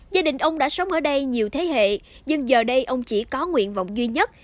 gia đình ông đã sống ở đây nhiều thế hệ nhưng giờ đây ông chỉ có nguyện vọng duy nhất